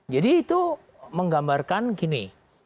jadi itu menggambarkan gini